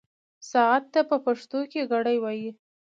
ساعت ته په پښتو کې ګړۍ وايي.